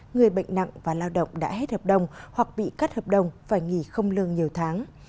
người bệnh nặng và lao động đã hết hợp đồng hoặc bị cắt hợp đồng phải nghỉ không lương nhiều tháng